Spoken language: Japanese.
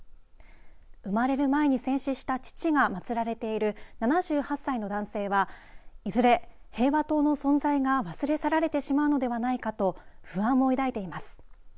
生まれる前に戦死した父が祭られている７８歳の男性はいすれ平和塔の存在が忘れ去られてしまうのではないかと不安を抱いています。